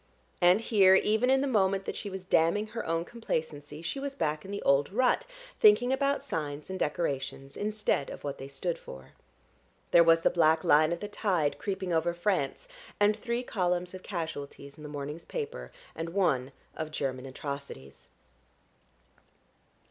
And here, even in the moment that she was damning her own complacency, she was back in the old rut, thinking about signs and decorations instead of what they stood for. There was the black line of the tide creeping over France, and three columns of casualties in the morning's paper, and one of German atrocities....